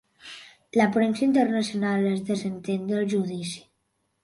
La premsa internacional es desentén del judici